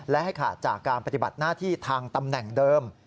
และให้ขาดจากการปฏิบัติหน้าที่ทางตำแหน่งเดิม